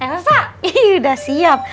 elsa iya udah siap